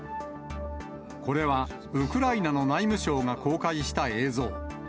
これは、ウクライナの内務省が公開した映像。